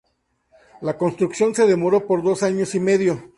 La construcción se demoró por dos años y medio.